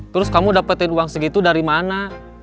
terus kamu dapetin uang segitu dari mana